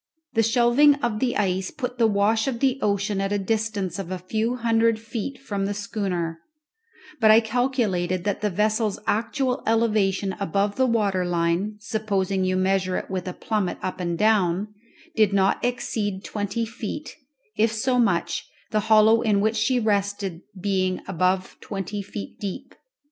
The shelving of the ice put the wash of the ocean at a distance of a few hundred feet from the schooner; but I calculated that the vessel's actual elevation above the water line, supposing you to measure it with a plummet up and down, did not exceed twenty feet, if so much, the hollow in which she rested being above twenty feet deep.